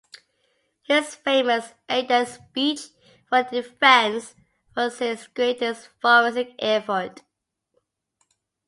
His famous eight-day speech for the defence was his greatest forensic effort.